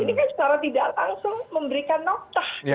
ini kan secara tidak langsung memberikan nota gitu ya